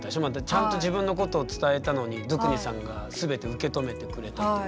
ちゃんと自分のことを伝えたのにドゥクニさんが全てを受け止めてくれたという。